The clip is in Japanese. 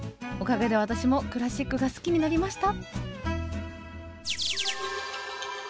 おかげで私もクラシックが好きになりました。